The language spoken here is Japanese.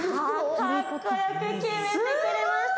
かっこよく決めてくれました